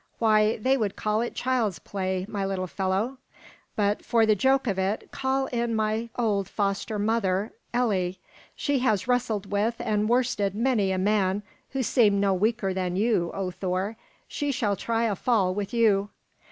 Why, they would call it child's play, my little fellow. But, for the joke of it, call in my old foster mother, Elli. She has wrestled with and worsted many a man who seemed no weaker than you, O Thor. She shall try a fall with you."